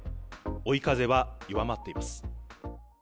追い風は弱まっています。